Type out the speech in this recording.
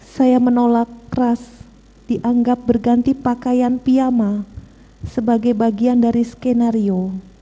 saya menolak keras dianggap berganti pakaian piyama sebagai bagian dari skenario